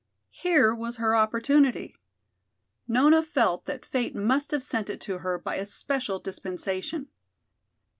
Here was her opportunity. Nona felt that fate must have sent it to her by a special dispensation.